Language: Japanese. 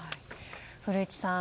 古市さん。